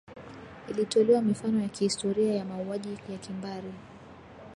ilitolewa mifano ya kihistoria ya mauaji ya kimbari